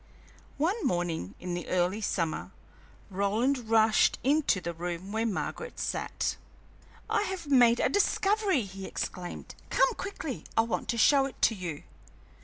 One morning in the early summer, Roland rushed into the room where Margaret sat. "I have made a discovery!" he exclaimed. "Come quickly, I want to show it to you!"